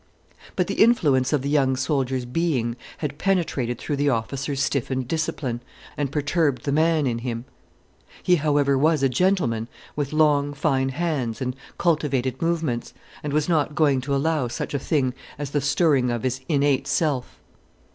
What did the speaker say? But the influence of the young soldier's being had penetrated through the officer's stiffened discipline, and perturbed the man in him. He, however, was a gentleman, with long, fine hands and cultivated movements, and was not going to allow such a thing as the stirring of his innate self.